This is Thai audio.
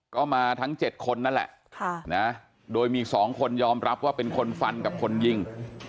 ก็มาทั้ง๗คนนั่นแหละโดยมี๒คนยอมรับว่าเป็นคนฟันกับคนยิง